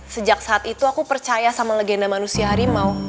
sejak saat itu aku percaya sama legenda manusia harimau